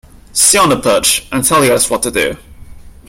Sit on the perch and tell the others what to do.